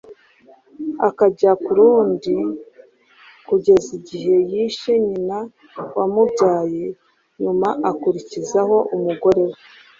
akajya ku rundi kugeza igihe yishe nyina wamubyaye nyuma akurikizaho umugore we